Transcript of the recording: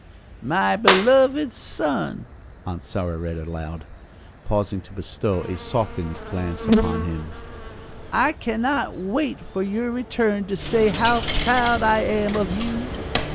"'My beloved son,'" Aunt Sarah read aloud, pausing to bestow a softened glance upon him. "'I can not wait for your return to say how proud I am of you.